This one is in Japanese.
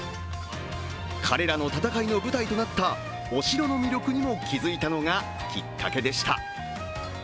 彼らの戦いの舞台となったお城の魅力にも気づいたのがきっかけでした。